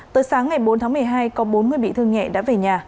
tới sáng ngày bốn tháng một mươi hai có bốn người bị thương nhẹ đã về nhà